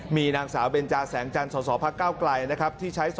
มีนางสาวเบนจาแสงจันทร์สศภเก้าไกลนะครับ